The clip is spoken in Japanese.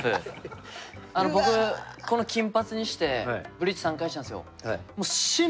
僕この金髪にしてブリーチ３回したんですよ。